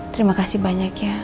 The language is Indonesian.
terima kasih banyak ya